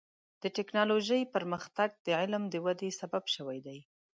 د ټکنالوجۍ پرمختګ د علم د ودې سبب شوی دی.